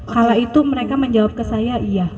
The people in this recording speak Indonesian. kala itu mereka menjawab ke saya iya